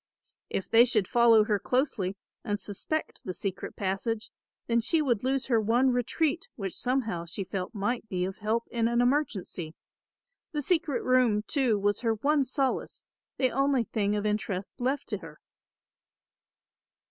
If they should follow her closely and suspect the secret passage then she would lose her one retreat which somehow she felt might be of help in an emergency. The secret room too was her one solace, the only thing of interest left to her.